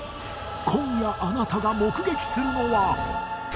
今夜あなたが目撃するのは